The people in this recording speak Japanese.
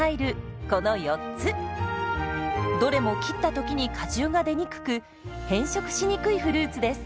どれも切った時に果汁が出にくく変色しにくいフルーツです。